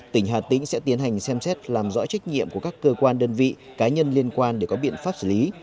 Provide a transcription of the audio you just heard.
tỉnh hà tĩnh sẽ tiến hành xem xét làm rõ trách nhiệm của các cơ quan đơn vị cá nhân liên quan để có biện pháp xử lý